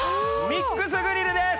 ミックスグリルです。